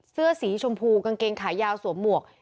เสื้อสีชมพูกางเกงขายาวสวมหมวก